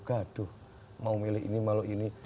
gaduh mau milih ini malu ini